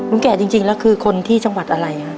หลุงแกจริงแล้วคือคนที่จังหวัดอะไร